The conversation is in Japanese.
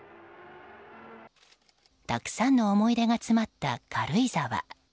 たくさんの思い出が詰まった軽井沢。